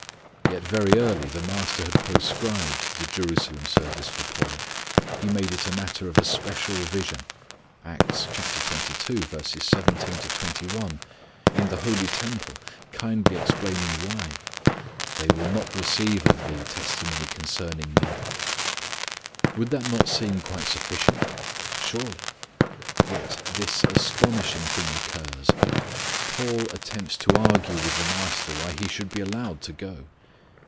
Yet very early the Master had proscribed the Jerusalem service for Paul. He made it a matter of a special vision, in the holy temple, kindly explaining why. "They will not receive of thee testimony concerning Me." Would that not seem quite sufficient? Surely. Yet this astonishing thing occurs: Paul attempts to argue with the Master why he should be allowed to go.